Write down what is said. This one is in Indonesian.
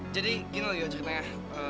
jadi gini loh ceritanya